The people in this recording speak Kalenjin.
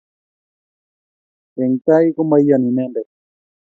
Eng tai komaiyani inendet